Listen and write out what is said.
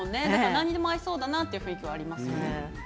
何にでも合いそうだなという雰囲気があります。